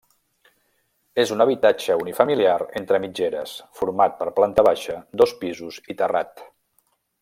És un habitatge unifamiliar entre mitgeres format per planta baixa, dos pisos i terrat.